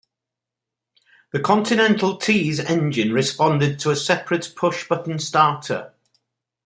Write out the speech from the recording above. The Continental T's engine responded to a separate push-button starter.